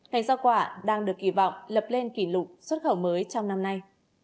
ngày do quả đang được kỳ vọng lập lên kỷ lục xuất khẩu mới trong năm nay